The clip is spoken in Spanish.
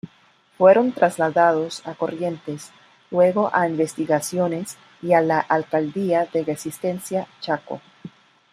Fueron trasladados a Corrientes, luego a Investigaciones y a la Alcaldía de Resistencia, Chaco.